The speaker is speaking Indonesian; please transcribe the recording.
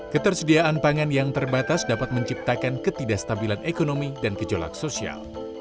ketersediaan pangan yang terbatas dapat menciptakan ketidakstabilan ekonomi dan gejolak sosial